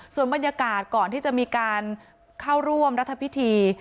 ส่วนบรรยากาศก่อนที่จะมีการเข้าร่วมรัฐพิธี